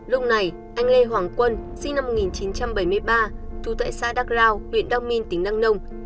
lúc này anh lê hoàng quân sinh năm một nghìn chín trăm bảy mươi ba thu tại xã đắk rào huyện đông minh tỉnh đăng nông